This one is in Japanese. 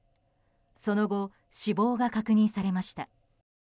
その後、死亡が確認されました。